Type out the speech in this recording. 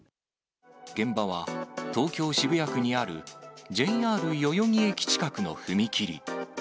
現場は東京・渋谷区にあるＪＲ代々木駅近くの踏切。